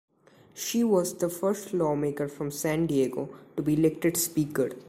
She was the first lawmaker from San Diego to be elected Speaker.